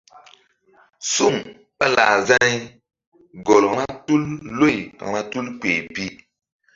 Suŋ ɓa lah za̧y gɔl vba tul loy vba tul kpeh pi.